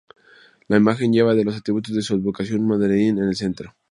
La imagen lleva los atributos de su advocación: un banderín y el cetro.